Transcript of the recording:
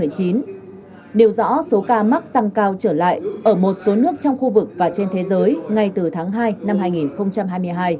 nêu rõ số ca mắc tăng cao trở lại ở một số nước trong khu vực và trên thế giới ngay từ tháng hai năm hai nghìn hai mươi hai